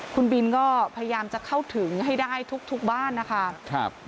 คุณบินก็พยายามจะเข้าถึงให้ได้ทุกบ้านนะคะ